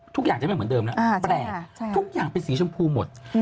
ทุกอย่างจะไม่เหมือนเดิมแล้วแปลกทุกอย่างเป็นสีชมพูหมด